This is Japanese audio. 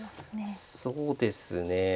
そうですね。